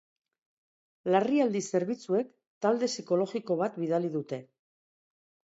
Larrialdi zerbitzuek talde psikologiko bat bidali dute.